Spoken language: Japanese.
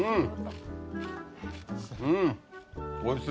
うん。